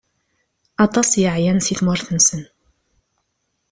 Aṭas i yeɛyan si tmurt-nsen.